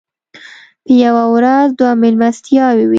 په یوه ورځ دوه مېلمستیاوې وې.